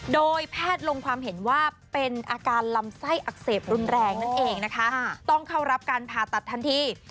โดยแพทย์ลงความเห็นว่าเป็นอาการลำไส้อักเสบรุนแรงนั่นเองนะคะต้องเข้ารับการผ่าตัดทันที